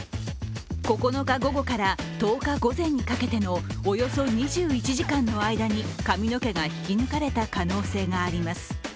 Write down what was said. ９日午後から１０日午前にかけてのおよそ２１時間の間に髪の毛が引き抜かれた可能性があります。